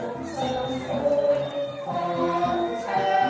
การทีลงเพลงสะดวกเพื่อความชุมภูมิของชาวไทย